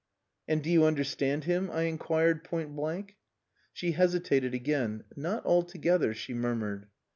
"And do you understand him?" I inquired point blank. She hesitated again. "Not altogether," she murmured.